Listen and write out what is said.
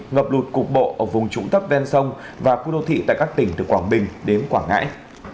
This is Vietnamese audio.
ngập lụt cục bộ ở vùng trũng thấp ven sông và khu đô thị tại các tỉnh từ quảng bình đến quảng ngãi